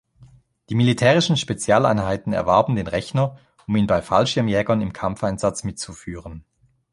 Die militärischen Spezialeinheiten erwarben den Rechner, um ihn bei Fallschirmjägern im Kampfeinsatz mitzuführen.